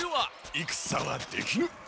いくさはできぬ。